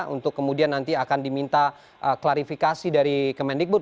untuk kemudian nanti akan diminta klarifikasi dari kementerian diput